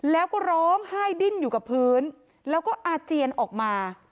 แล้วก็ร้องไห้ดิ้นอยู่กับพื้นแล้วก็อาเจียนออกมา